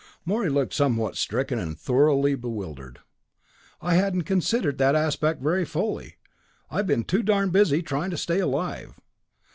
Morey looked somewhat stricken, and thoroughly bewildered. "I hadn't considered that aspect very fully; I've been too darned busy trying to stay alive."